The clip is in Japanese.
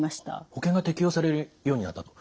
保険が適用されるようになったと。